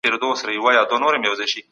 که تدریس منظم وي، ګډوډي نه پیدا کېږي.